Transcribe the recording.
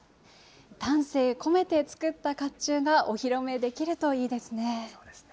丹精込めて作ったかっちゅうがお披露目できるといいですね。